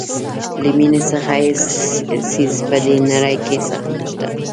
له مینې څخه هیڅ څیز په دې نړۍ کې سخت نشته.